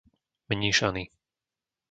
Mníšany